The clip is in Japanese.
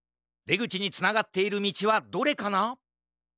でぐちにつながっているみちはどれかな？